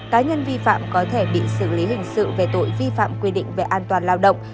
cá nhân vi phạm có thể bị xử lý hình sự về tội vi phạm quy định về an toàn lao động